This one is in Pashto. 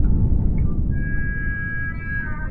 نه یې وېره وه له خدایه له دې کاره٫